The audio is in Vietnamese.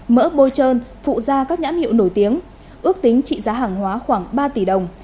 mỡ bôi trơn phụ da các nhãn hiệu nổi tiếng ước tính trị giá hàng hóa khoảng ba tỷ đồng